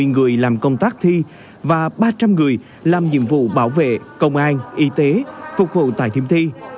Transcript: bảy trăm hai mươi người làm công tác thi và ba trăm linh người làm nhiệm vụ bảo vệ công an y tế phục vụ tại thiêm thi